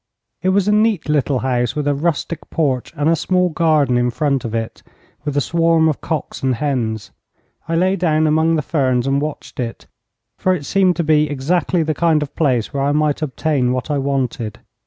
It was a neat little house, with a rustic porch and a small garden in front of it, with a swarm of cocks and hens. I lay down among the ferns and watched it, for it seemed to be exactly the kind of place where I might obtain what I wanted.